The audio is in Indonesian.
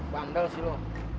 bandel sih lo